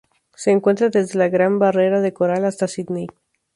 Se encuentra desde la Gran Barrera de Coral hasta Sídney.